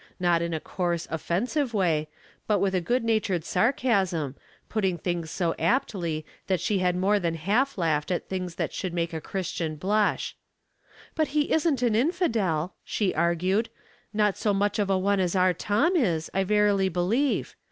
Not in a coarse, offensive way, but with a good natured sarcasm, putting things so aptly that she had more than half laughed at things that should make a Christian blush. ''But he isn't an infidel," she argued. " Not so much of a one as our Tom is, I verily believe.